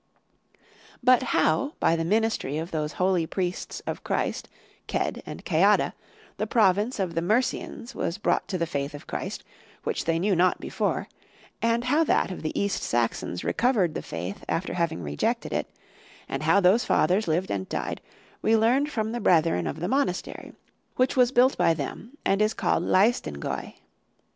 But how, by the ministry of those holy priests of Christ, Cedd(14) and Ceadda,(15) the province of the Mercians was brought to the faith of Christ, which they knew not before, and how that of the East Saxons recovered the faith after having rejected it, and how those fathers lived and died, we learned from the brethren of the monastery, which was built by them, and is called Laestingaeu.